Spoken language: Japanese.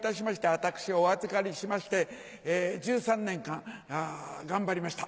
私お預かりしまして１３年間頑張りました。